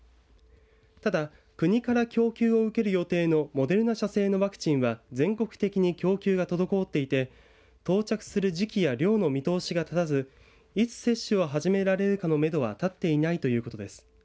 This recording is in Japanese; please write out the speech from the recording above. ただ、国から供給を受ける予定のモデルナ社製のワクチンは全国的に供給が滞っていて到着する時期や量の見通しが立たずいつ接種を始められるかのめどは立っていないということです。